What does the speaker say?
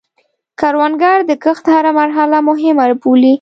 کروندګر د کښت هره مرحله مهمه بولي